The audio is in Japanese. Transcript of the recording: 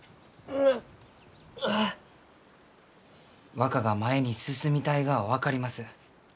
若が前に進みたいがは分かります。